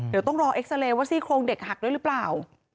เดี๋ยวต้องรอเอ็กซาเรย์ว่าซี่โครงเด็กหักด้วยหรือเปล่า